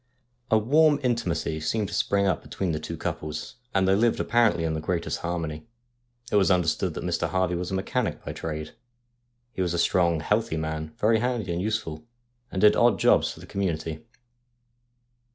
A warm intimacy seemed to spring up between the two couples, and they lived apparently in the greatest harmony. It was under stood that Mr. Harvey was a mechanic by trade. He was a strong, healthy man, very handy and useful, and did odd jobs for the community.